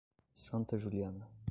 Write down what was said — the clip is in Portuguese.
Santa Juliana